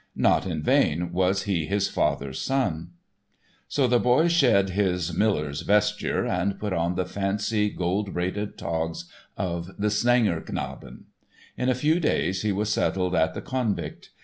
Not in vain was he his father's son! So the boy shed his "miller's" vesture and put on the fancy, gold braided togs of the Sängerknaben. In a few days he was settled at the Konvikt.